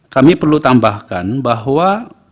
kami perlu tambahkan bahwa